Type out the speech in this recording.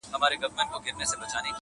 دا کاڼي د غضب یوازي زموږ پر کلي اوري.!